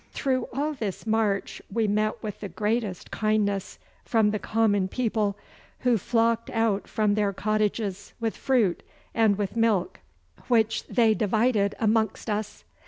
Through all this march we met with the greatest kindness from the common people, who flocked out from their cottages with fruit and with milk, which they divided amongst us.